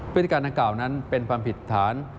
พฤติการต่างหนึ่งเป็นผิดฐาน